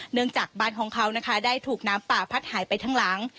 เนื่องจากบ้านของเขานะคะได้ถูกน้ำป่าพัดหายไปทั้งหลัง